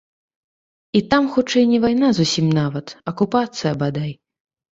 І там хутчэй не вайна зусім нават, акупацыя, бадай.